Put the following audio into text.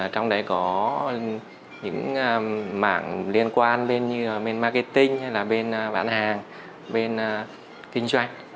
trong đấy có những mảng liên quan bên marketing bên bán hàng bên kinh doanh